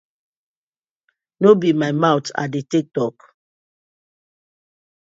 No be my mouth I dey tak tok?